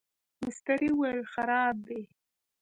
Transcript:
مستري وویل خراب دی.